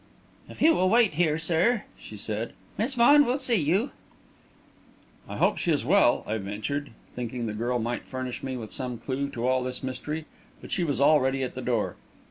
"If you will wait here, sir," she said, "Miss Vaughan will see you." "I hope she is well," I ventured, thinking the girl might furnish me with some clue to all this mystery, but she was already at the door.